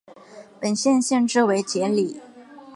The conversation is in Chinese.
本县县治为杰里。